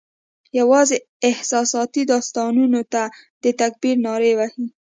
یوازي احساساتي داستانونو ته د تکبیر نارې وهي